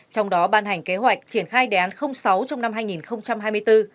trong đó ban hành kế hoạch triển khai đề án sáu trong năm hai nghìn hai mươi bốn